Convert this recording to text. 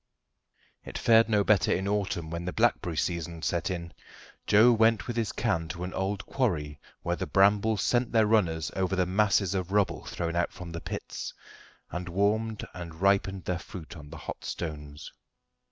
It fared no better in autumn, when the blackberry season set in. Joe went with his can to an old quarry where the brambles sent their runners over the masses of rubble thrown out from the pits, and warmed and ripened their fruit on the hot stones.